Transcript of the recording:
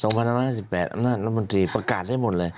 อำนาจรัฐมนตรีประกาศได้หมดเลย